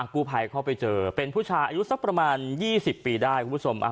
กู้ภัยเข้าไปเจอเป็นผู้ชายอายุสักประมาณ๒๐ปีได้คุณผู้ชม